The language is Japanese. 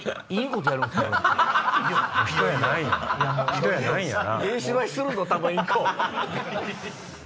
人やないんやな。